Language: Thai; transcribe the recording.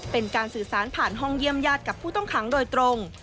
เป็นการสื่อสารผ่านห้องเยี่ยมญาติกับผู้ต้องขังโดยตรง